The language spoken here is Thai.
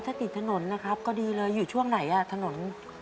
ถ้าติดถนนนะครับก็ดีเลยอยู่ช่วงไหนอ่ะถนน